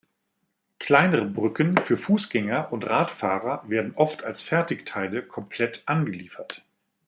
Kleinere Brücken für Fußgänger und Radfahrer werden oft als Fertigteile komplett angeliefert.